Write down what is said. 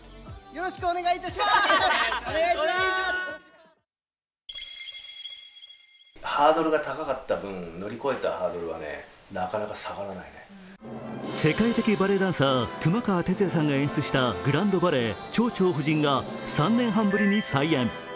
更に世界的バレエダンサー熊川哲也さんが演出したグランド・バレエ「蝶々夫人」が３年半ぶりに再演。